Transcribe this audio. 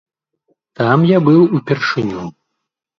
Там я быў упершыню.